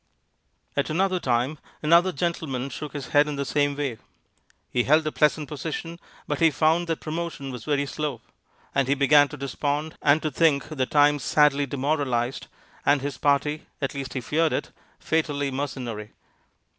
At another time another gentleman shook his head in the same way. He held a pleasant position, but he found that promotion was very slow, and he began to despond and to think the times sadly demoralized, and his party at least he feared it fatally mercenary.